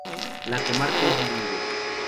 La comarca es bilingüe.